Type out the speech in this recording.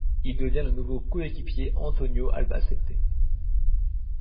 Il devient le nouveau coéquipier Antonio Albacete.